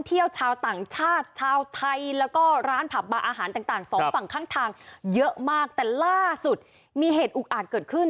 ทางชาติชาวไทยแล้วก็ร้านผลัพบาอาหารต่างสองฝั่งข้างทางเยอะมากแต่ล่าสุดมีเหตุอุกอาจ